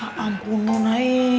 ya ampun nona